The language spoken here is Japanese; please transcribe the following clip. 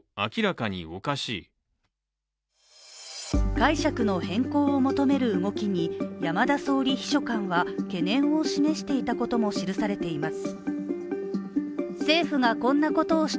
解釈の変更を求める動きに山田総理秘書官は懸念を示していたことも記されています。